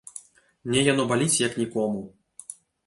Мне яно баліць, як нікому.